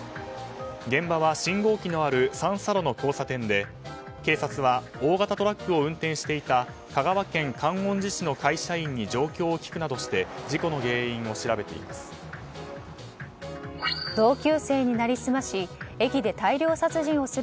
現場は信号機のある三差路の交差点で警察は大型トラックを運転していた香川県観音寺市の会社員に状況を聞くなどして事故の原因を調べています。